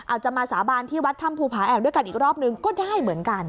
อาจจะมาสาบานที่วัดถ้ำภูผาแอมด้วยกันอีกรอบนึงก็ได้เหมือนกัน